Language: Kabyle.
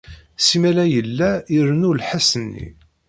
Simal ay yella irennu lḥess-nni.